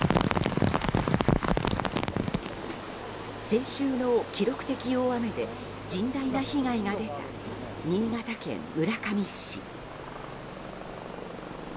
先週の記録的大雨で甚大な被害が出た新潟県村上市。